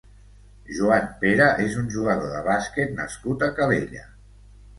Joan Pera és un jugador de bàsquet nascut a Calella.